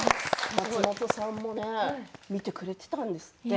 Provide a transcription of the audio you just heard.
松本さんも見てくださっていたんですって。